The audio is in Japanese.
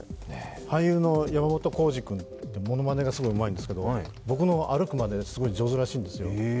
俳優の山本耕史君ってものまねがすごくうまいんですけど僕の歩くまね、すごい上手らしいんですよ。